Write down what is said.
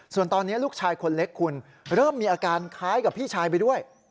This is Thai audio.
ส่วนตอนนี้ลูกชายคนเล็กคุณเริ่มมีอาการคล้ายกับพี่ชายไปด้วย